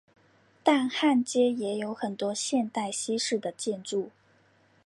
但汉街也有很多现代西式的建筑。